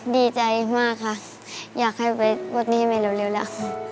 ดีใจมากค่ะอยากให้ไปปลดหนี้ให้แม่เร็วแล้ว